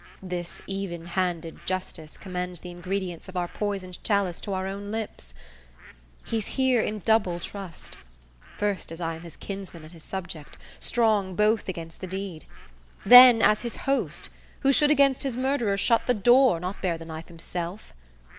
This evenhanded justice Commends the ingredients of our poisoned chalice, To our own lips. He's here in double trust; First as I am his kinsman and his subject, Strong both against the deed; then, as his host, Who should against his murderer shut the door, Not bear the knife himself.